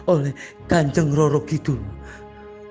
oleh kandeng roro kidul